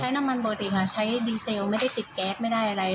น้ำมันปกติค่ะใช้ดีเซลไม่ได้ติดแก๊สไม่ได้อะไร